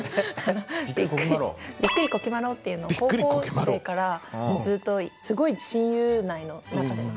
「びっくりこきまろ」っていうのを高校生からずっとすごい親友内の中での。